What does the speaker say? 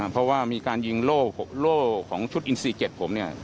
เพราะว่ามีการยิงโล่ของชุดอินทรีย์๔๗ผม